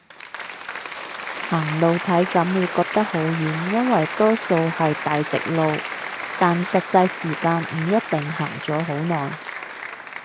行路體感會覺得好遠，因為多數係大直路，但實際時間唔一定行咗好耐